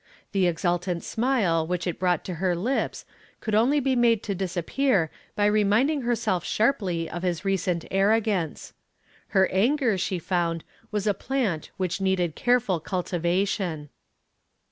The exultant smile which it brought to her lips could only be made to disappear by reminding herself sharply of his recent arrogance. Her anger, she found, was a plant which needed careful cultivation.